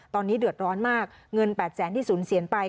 ตอนนี้เดือดร้อนมากเงิน๘แสนที่สูญเสียไป